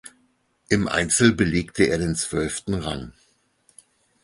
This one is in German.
Im Einzel belegte er den zwölften Rang.